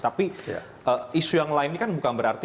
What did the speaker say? tapi isu yang lain ini kan bukan berarti